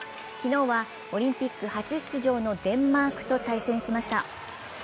昨日はオリンピック初出場のデンマークと対戦しました。